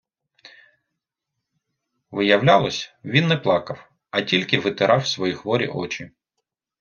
Виявлялось - він не плакав, а тільки витирав свої хворі очі!..